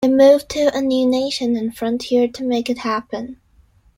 They moved to a new nation and frontier to make it happen.